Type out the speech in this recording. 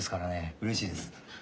うれしいです。